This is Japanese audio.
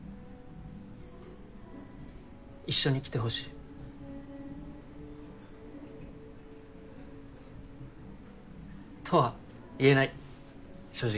一緒に来てほしい。とは言えない正直。